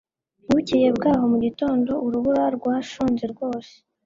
bukeye bwaho mu gitondo, urubura rwashonze rwose